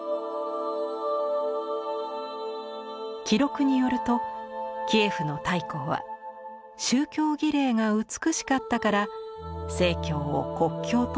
記録によるとキエフの大公は宗教儀礼が美しかったから正教を国教としたと伝わります。